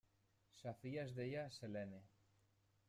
Sa filla es deia Selene.